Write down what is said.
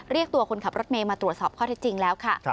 เรียกตัวคนขับรถเมย์มาตรวจสอบข้อเท็จจริงแล้วค่ะ